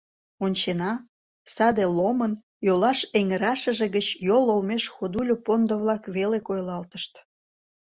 Ончена — саде «Ломын» йолаш эҥырашыже гыч йол олмеш ходульо пондо-влак веле койылалтышт.